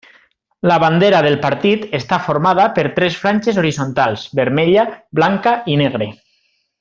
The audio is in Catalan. La bandera del Partit està formada per tres franges horitzontals vermella, blanca i negre.